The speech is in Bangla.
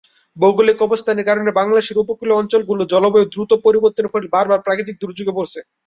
ভৌগোলিক অবস্থানের কারণে বাংলাদেশের উপকূলীয় অঞ্চলগুলি জলবায়ুর দ্রুত পরিবর্তনের ফলে বার বার প্রাকৃতিক ঝুঁকিতে পড়েছে।